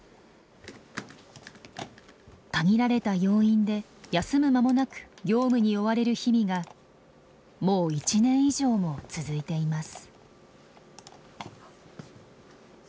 限られた要員で休む間もなく業務に追われる日々がもう１年以上も続いています。